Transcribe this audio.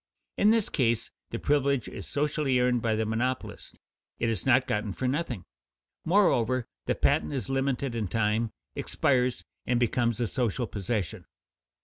In this case the privilege is socially earned by the monopolist; it is not gotten for nothing. Moreover, the patent is limited in time, expires and becomes a social possession.